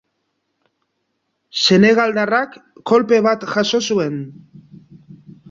Senegaldarrak kolpe bat jaso zuen.